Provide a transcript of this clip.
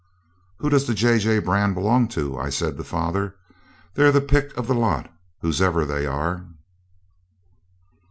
'Who does the JJ brand belong to?' I said to father. 'They're the pick of the lot, whose ever they are.'